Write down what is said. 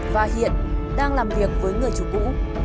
và hiện đang làm việc với người chủ cũ